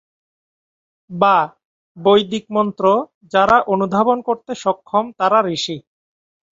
বা "বৈদিক মন্ত্র যারা অনুধাবন করতে সক্ষম তারা ঋষি"।